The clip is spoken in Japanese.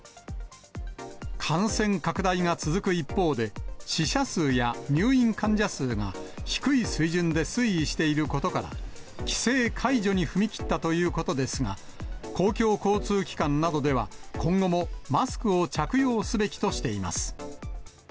感染拡大が続く一方で、死者数や入院患者数が低い水準で推移していることから、規制解除に踏み切ったということですが、公共交通機関などでは、今後もマスクを着用すべきとしています。